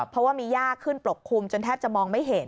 เพราะว่ามียากขึ้นปกคลุมจนแทบจะมองไม่เห็น